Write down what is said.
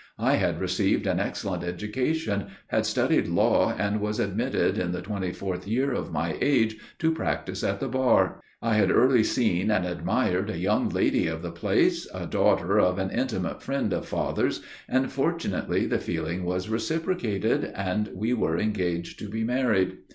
I had received an excellent education, had studied law and was admitted, in the twenty fourth year of my age, to practice at the bar. I had early seen and admired a young lady of the place, a daughter of an intimate friend of father's, and fortunately the feeling was reciprocated, and we were engaged to be married.